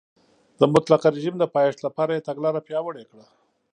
د مطلقه رژیم د پایښت لپاره یې تګلاره پیاوړې کړه.